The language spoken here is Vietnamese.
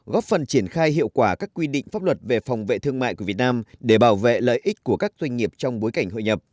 góp phần triển khai hiệu quả các quy định pháp luật về phòng vệ thương mại của việt nam để bảo vệ lợi ích của các doanh nghiệp trong bối cảnh hội nhập